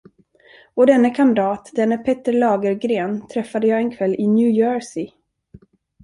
Och denne kamrat, denne Petter Lagergren, träffade jag en kväll i New Jersey!